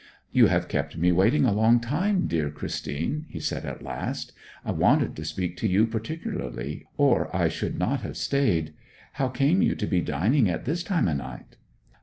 'You have kept me waiting a long time, dear Christine,' he said at last. 'I wanted to speak to you particularly, or I should not have stayed. How came you to be dining at this time o' night?'